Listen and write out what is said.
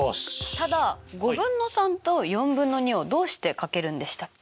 ただ５分の３と４分の２をどうして掛けるんでしたっけ？